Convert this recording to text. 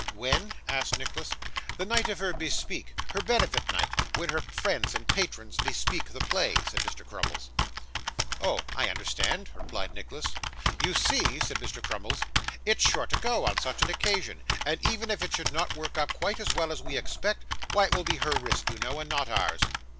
'When?' asked Nicholas. 'The night of her bespeak. Her benefit night, when her friends and patrons bespeak the play,' said Mr. Crummles. 'Oh! I understand,' replied Nicholas. 'You see,' said Mr. Crummles, 'it's sure to go, on such an occasion, and even if it should not work up quite as well as we expect, why it will be her risk, you know, and not ours.